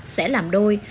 sẽ làm đôi